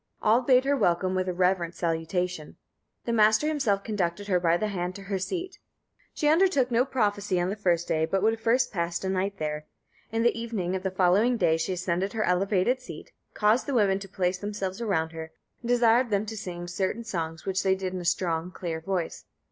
All bade her welcome with a reverent salutation; the master himself conducted her by the hand to her seat. She undertook no prophecy on the first day, but would first pass a night there. In the evening of the following day she ascended her elevated seat, caused the women to place themselves round her, and desired them to sing certain songs, which they did in a strong, clear voice.